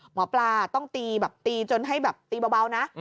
หมอปลาต้องตีแบบตีจนให้แบบตีเบานะ